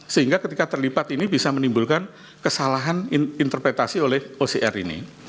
sehingga ketika terlipat ini bisa menimbulkan kesalahan interpretasi oleh ocr ini